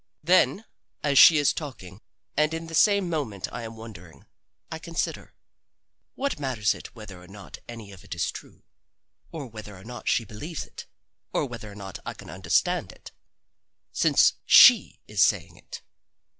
Then, as she is talking and in the same moment I am wondering, I consider: What matters it whether or not any of it is true, or whether or not she believes it, or whether or not I can understand it since she is saying it.